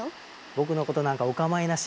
僕のことなんかお構いなし。